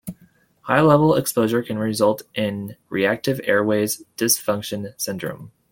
High-level exposure can result in reactive airways dysfunction syndrome.